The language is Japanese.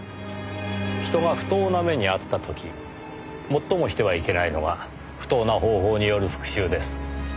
人が不当な目に遭った時最もしてはいけないのは不当な方法による復讐です。